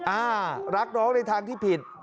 อ่ารักน้องในทางที่ผิด